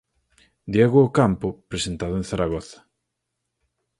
Diego Ocampo, presentado en Zaragoza.